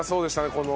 この。